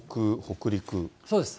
そうです。